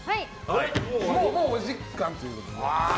もうお時間ということで。